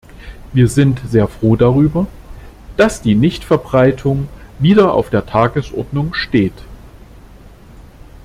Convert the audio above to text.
Wir sind sehr froh darüber, dass die Nichtverbreitung wieder auf der Tagesordnung steht.